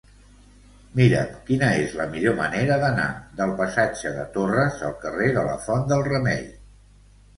Mira'm quina és la millor manera d'anar del passatge de Torres al carrer de la Font del Remei.